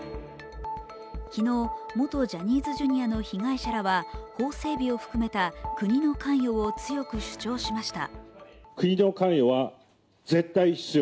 昨日、元ジャニーズＪｒ．の被害者らは法整備を含めた国の関与を強く主張しました。